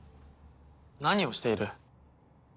何をしている？